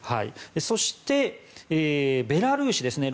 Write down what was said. そして、ベラルーシですね。